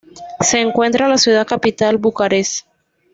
Se encuentra la ciudad capital, Bucarest.